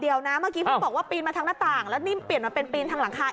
เมื่อกี้เพิ่งบอกว่าปีนมาทางหน้าต่างแล้วนิ่มเปลี่ยนมาเป็นปีนทางหลังคา